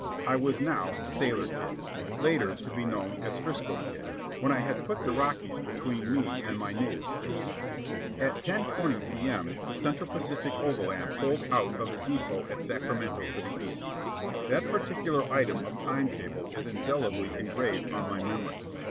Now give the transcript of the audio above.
I was now "Sailor Kid," later to be known as "'Frisco Kid," when I had put the Rockies between me and my native state. At 10.20 P.M. the Central Pacific overland pulled out of the depot at Sacramento for the East that particular item of time table is indelibly engraved on my memory.